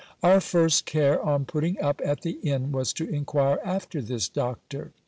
Our first care, on putting up at the inn, was to inquire after this doctor.